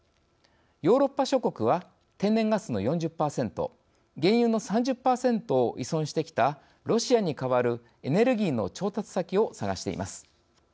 ヨーロッパ諸国は天然ガスの４０％原油の３０％を依存してきたロシアに代わるエネルギーの調達先を探しています。